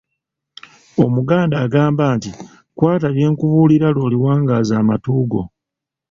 Omuganda agamba nti, "kwata byenkubuulira lw'oliwangaaza amatu go".